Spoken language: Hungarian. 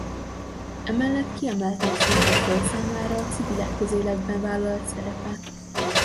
Emellett kiemelten fontos volt számára a civilek közéletben vállalt szerepe.